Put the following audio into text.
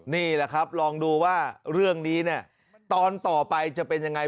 นี่แหละครับลองดูว่าเรื่องนี้เนี่ยตอนต่อไปจะเป็นยังไง